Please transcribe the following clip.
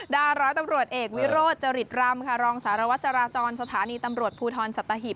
ดาร้อยตำรวจเอกวิโรธจริตรำค่ะรองสารวัตรจราจรสถานีตำรวจภูทรสัตหิบ